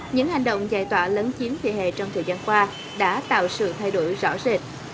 những hành động giải tỏa lấn chiếm vỉa hè trong thời gian qua đã tạo sự thay đổi rõ rệt